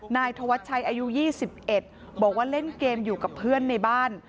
นายธวัชชัยอายุ๒๑บอกว่าเล่นเกมอยู่กับเพื่อนในบ้าน